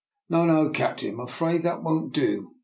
" No, no! captain, I am afraid that won't do.